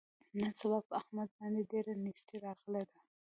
نن سبا په احمد باندې ډېره نیستي راغلې ده.